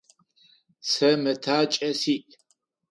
Сэ мэтакӏэ сиӏ.